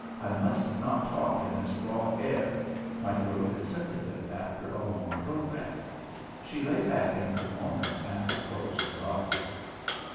I must not talk in this raw air. My throat is sensitive after a long program." She lay back in her corner and closed her eyes.